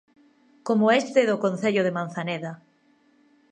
Como este do concello de Manzaneda.